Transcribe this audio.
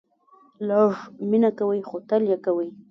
لږ مینه کوئ ، خو تل یې کوئ